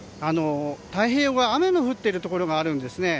太平洋側は雨が降っているところあるんですね。